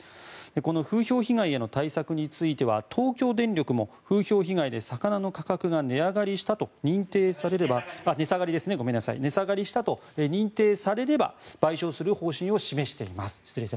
この風評被害への対策については東京電力も風評被害で魚の価格が値下がりしたと認定されれば賠償する方針を示しています。